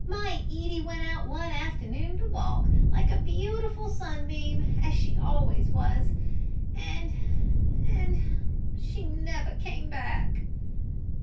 My Edie went out one afternoon to walk, like a beautiful sunbeam as she always was, and and she never came back!"